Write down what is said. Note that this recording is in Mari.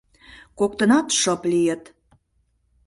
Коктынат шып лийыт.